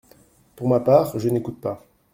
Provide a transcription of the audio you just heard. -pour ma part, je n’écoute pas.